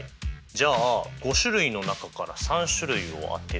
じゃあ５種類の中から３種類を当てる確率か。